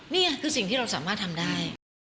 นี่คือสิ่งที่เราสามารถทำได้